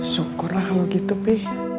syukurlah kalau gitu pi